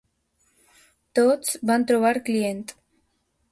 Tots van trobar client.